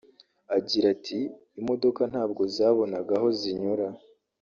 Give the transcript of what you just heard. Agira ati “Imodoka ntabwo zabonaga aho zinyura